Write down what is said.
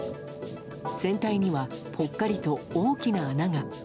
船体には、ぽっかりと大きな穴が。